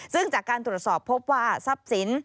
ซึ่งจากการตรวจสอบพบว่าทรัพย์สิน